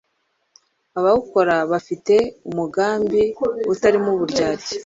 Abawukora bafite umugambi utarimo uburyarya